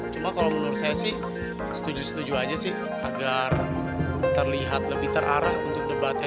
cuma kalau menurut saya sih setuju setuju aja sih agar terlihat lebih terarah untuk debatnya